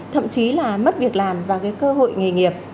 thậm chí là mất việc làm và cái cơ hội nghề nghiệp